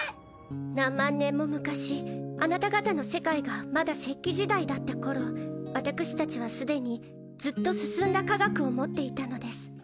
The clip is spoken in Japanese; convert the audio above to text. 何万年も昔アナタ方の世界がまだ石器時代だった頃ワタクシたちはすでにずっと進んだ科学を持っていたのです。